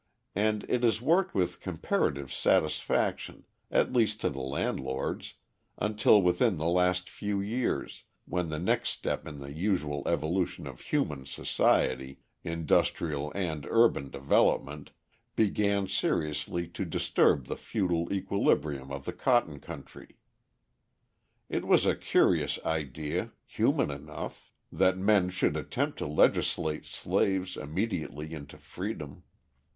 And it has worked with comparative satisfaction, at least to the landlords, until within the last few years, when the next step in the usual evolution of human society industrial and urban development began seriously to disturb the feudal equilibrium of the cotton country. It was a curious idea human enough that men should attempt to legislate slaves immediately into freedom.